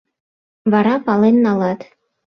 — Вара пален налат...